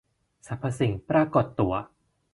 สรรพสิ่งปรากฏตัว